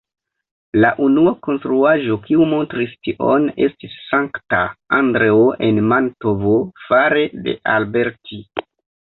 La unua konstruaĵo kiu montris tion estis Sankta Andreo en Mantovo fare de Alberti.